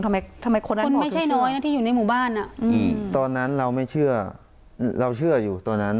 ทำไมคนร้ายคนไม่ใช่น้อยนะที่อยู่ในหมู่บ้านตอนนั้นเราไม่เชื่อเราเชื่ออยู่ตอนนั้น